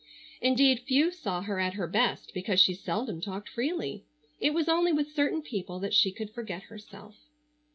Indeed few saw her at her best, because she seldom talked freely. It was only with certain people that she could forget herself.